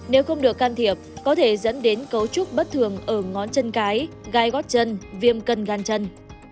nếu không được can thiệp có thể dẫn đến cấu trúc bất thường ở ngón chân cái gai gót chân viêm cân gan chân